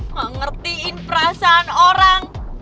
gak ngertiin perasaan orang